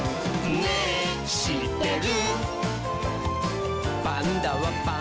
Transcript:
「ねぇしってる？」